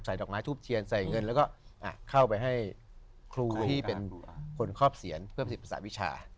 ดอกไม้ทูบเทียนใส่เงินแล้วก็เข้าไปให้ครูที่เป็นคนครอบเสียรเพื่อผลิตภาษาวิชา